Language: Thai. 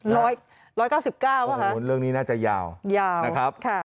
ร้อยร้อยเก้าสิบเก้านะคะโอ้โหเรื่องนี้น่าจะยาวนะครับยาวค่ะ